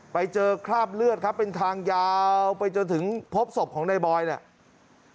ไปเจอคราบเลือดครับเป็นทางยาวไปจนถึงพบศพของนายบอยเนี่ย